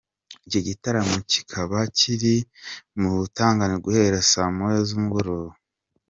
Iki gitaramo kikaba kiri butangire guhera saa moya z’umugoroba.